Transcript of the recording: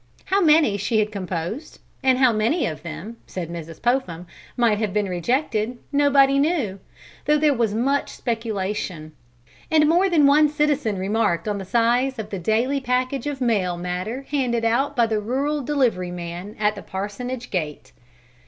How many she had composed, and how many of them (said Mrs. Popham) might have been rejected, nobody knew, though there was much speculation; and more than one citizen remarked on the size of the daily package of mail matter handed out by the rural delivery man at the parsonage gate.